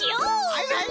はいはい！